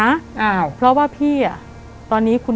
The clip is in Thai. แต่ขอให้เรียนจบปริญญาตรีก่อน